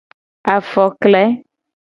Afokle.